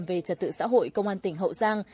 về trật tự xã hội công an tỉnh hậu giang